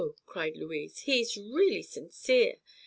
cried Louise; "he's really sincere.